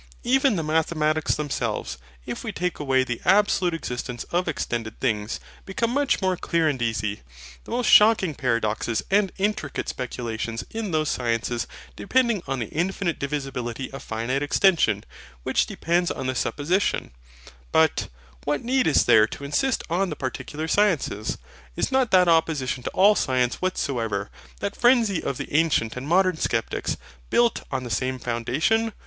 Even the MATHEMATICS themselves, if we take away the absolute existence of extended things, become much more clear and easy; the most shocking paradoxes and intricate speculations in those sciences depending on the infinite divisibility of finite extension; which depends on that supposition But what need is there to insist on the particular sciences? Is not that opposition to all science whatsoever, that frenzy of the ancient and modern Sceptics, built on the same foundation?